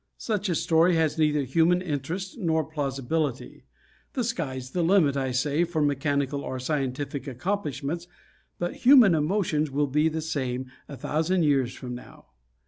Such a story has neither human interest nor plausibility. The sky's the limit, I say, for mechanical or scientific accomplishments, but human emotions will be the same a thousand years from now.